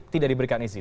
tidak diberikan izin